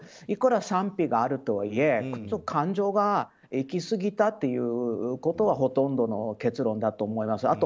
いくら賛否があるとはいえ感情がいきすぎたということはほとんどの結論だと思います。